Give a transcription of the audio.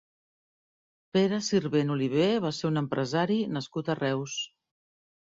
Pere Sirvent Oliver va ser un empresari nascut a Reus.